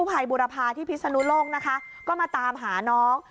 ภัยบุรพาที่พิศนุโลกนะคะก็มาตามหาน้อง